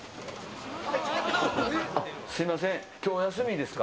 すみません、きょう、お休みですか？